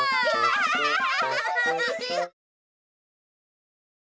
ハハハハハ！